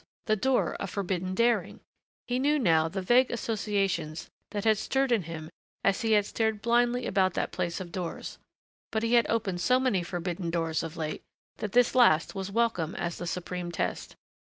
The door of forbidden daring! He knew now the vague associations that had stirred in him as he had stared blindly about that place of doors.... But he had opened so many forbidden doors of late that this last was welcome as the supreme test.